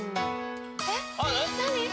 えっ何？